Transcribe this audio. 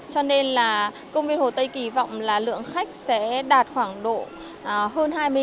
cho nên là công viên hồ tây kỳ vọng là lượng khách sẽ đạt khoảng độ hơn hai mươi khách cho ba ngày nghỉ lễ